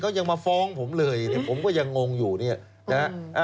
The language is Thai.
เขายังมาฟ้องผมเลยเนี่ยผมก็ยังงงอยู่เนี่ยนะฮะ